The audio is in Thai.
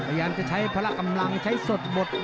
พยายามจะใช้พละกำลังใช้สดหมด